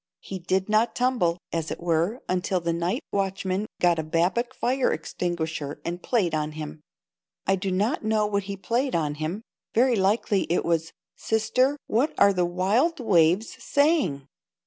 He did not tumble, as it were, until the night watchman got a Babcock fire extinguisher and played on him. I do not know what he played on him. Very likely it was, "Sister, what are the wild waves saying?"